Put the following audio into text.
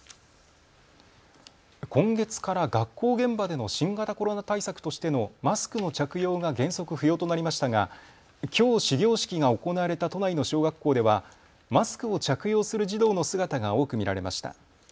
今月から学校現場での新型コロナ対策としてのマスクの着用が原則不要となりましたがきょう始業式が行われた都内の小学校ではマスクを着用する児童の姿が多く見られました。